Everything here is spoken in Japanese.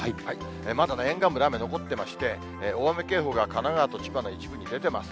まだ、沿岸部の雨残ってまして、大雨警報が神奈川と千葉の一部に出ています。